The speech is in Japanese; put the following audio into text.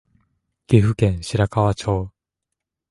岐阜県白川町